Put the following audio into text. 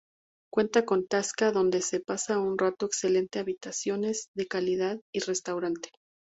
Cuenta con Tasca, donde se pasa un rato excelente, habitaciones de calidad, y Restaurant.